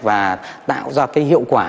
và tạo ra cái hiệu quả